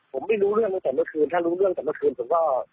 ผมไม่รู้เรื่องตั้งแต่เมื่อคืนถ้ารู้เรื่องแต่เมื่อคืนผมก็